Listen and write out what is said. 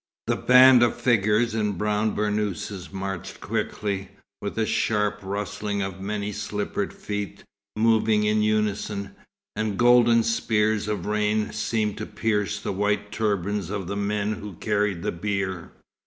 The band of figures in brown burnouses marched quickly, with a sharp rustling of many slippered feet moving in unison, and golden spears of rain seemed to pierce the white turbans of the men who carried the bier.